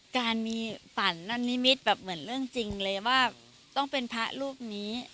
การมีฝันนั่นนิมิตแบบเหมือนเรื่องจริงเลยว่าต้องเป็นพระรูปนี้